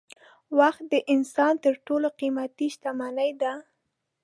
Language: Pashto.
وخت د انسان تر ټولو قېمتي شتمني ده.